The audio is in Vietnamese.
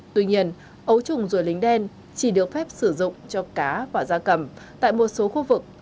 tuy nhiên ấu trùng ruột đen chỉ được phép sử dụng cho cá và da cầm tại một số khu vực